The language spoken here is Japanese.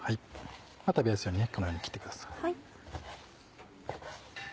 食べやすいようにこのように切ってください。